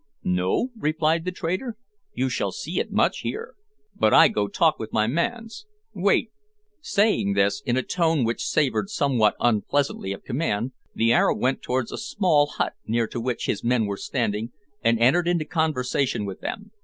"No?" replied the trader; "you shall see it much here. But I go talk with my mans. Wait." Saying this, in a tone which savoured somewhat unpleasantly of command, the Arab went towards a small hut near to which his men were standing, and entered into conversation with them.